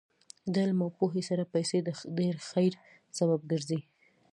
د علم او پوهې سره پیسې د ډېر خیر سبب ګرځي.